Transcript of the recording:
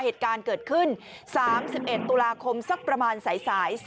เหตุการณ์เกิดขึ้น๓๑ตุลาคมสักประมาณสาย